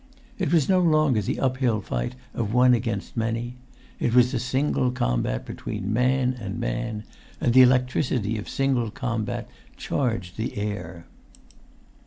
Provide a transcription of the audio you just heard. It was no longer the uphill fight of one against many; it was single combat between man and man, and the electricity of single combat charged the air.